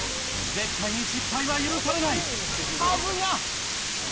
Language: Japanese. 絶対に失敗は許されないはずが！